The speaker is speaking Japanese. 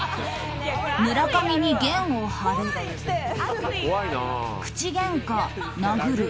村上に弦を張る。